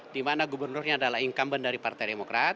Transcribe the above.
di mana gubernurnya adalah incumbent dari partai demokrat